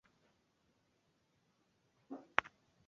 Umunsi umwe, kandi uwo munsi ntushobora kuza